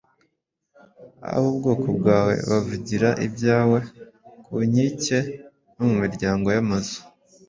Ab’ubwoko bwawe bavugira ibyawe ku nkike no mu miryango y’amazu